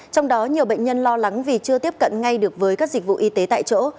trong đó nhiều bệnh nhân lo lắng vì chưa tiếp cận ngay được với các dịch vụ y tế tại chỗ